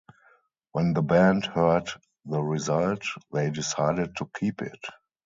When the band heard the result, they decided to keep it.